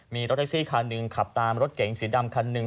มีรถแท็กซี่คันหนึ่งขับตามรถเก๋งสีดำคันหนึ่ง